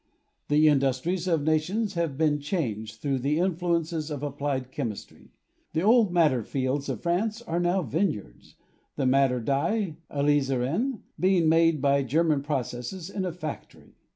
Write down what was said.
The industries of nations have been changed through the influence of applied chemistry. The old mad der fields of France are now vineyards, the madder dye (alizarin) being made by German processes in a factory.